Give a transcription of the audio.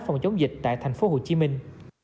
phòng chống dịch tại thành phố hồ chí minh